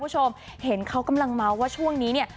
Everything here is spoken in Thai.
เห็นเขากำลังเม้าว่าช่วงนี้นี่